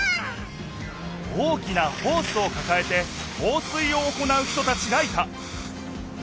大きなホースをかかえて放水を行う人たちがいた。